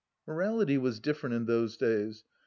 Morality was different in those days.